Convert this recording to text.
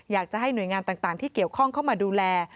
อยากจะให้หน่วยงานต่างที่เกี่ยวข้องเข้ามาดูแล